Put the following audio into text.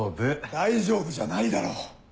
大丈夫じゃないだろう！